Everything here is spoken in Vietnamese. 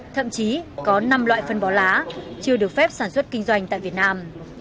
thậm chí có năm loại phân bón lá chưa được phép sản xuất kinh doanh tại việt nam